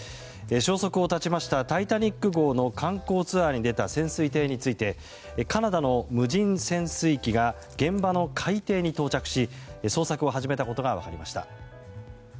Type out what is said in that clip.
消息を絶ちました「タイタニック号」の観光ツアーに出た潜水艇についてカナダの無人潜水機が現場の海底に到着し捜索を始めたことが分かりました。